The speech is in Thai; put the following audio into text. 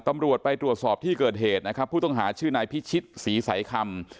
ตำรวจไปตรวจสอบที่เกิดเหตุนะครับผู้ต้องหาชื่อนายพิชิตศรีสายคำ